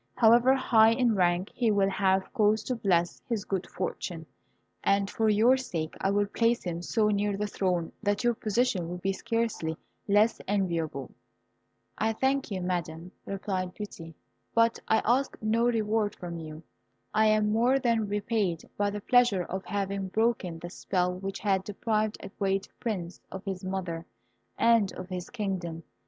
However high in rank, he will have cause to bless his good fortune, and for your sake I will place him so near the throne that your position will be scarcely less enviable." "I thank you, Madam," replied Beauty; "but I ask no reward from you. I am more than repaid by the pleasure of having broken the spell which had deprived a great prince of his mother and of his kingdom.